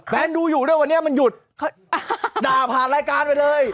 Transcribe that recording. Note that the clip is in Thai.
ดูอยู่ด้วยวันนี้มันหยุดด่าผ่านรายการไปเลย